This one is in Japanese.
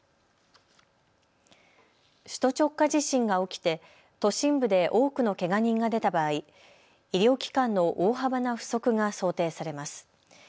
首都直下地震が起きて都心部で多くのけが人が出た場合、医療機関の大幅な不足が想定されます。